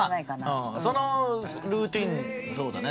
そのルーティーンそうだね。